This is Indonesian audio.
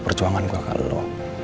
perjuangan gue ke lo